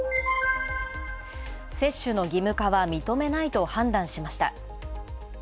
接種の義務化は認めないと判断しました。